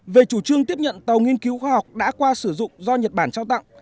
về chủ trương tiếp nhận tàu nghiên cứu khoa học đã qua sử dụng do nhật bản trao tặng